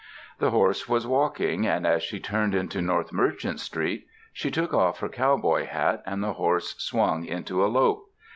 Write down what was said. The horse was walking and, as she turned into North Merchant Street she took off her cowboy hat, and the horse swung into a lope.